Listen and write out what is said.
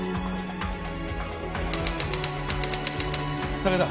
武田。